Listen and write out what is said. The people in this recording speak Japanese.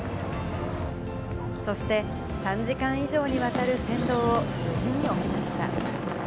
そして、３時間以上にわたる先導を無事に終えました。